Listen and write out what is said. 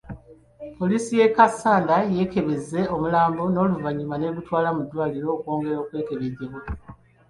Poliisi ye Kassanda yeekebezze omulambo n’oluvannyuma n'egutwala mu ddwaliro okwongera okwekebejjebwa.